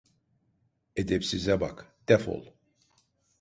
Edepsize bak… Defol!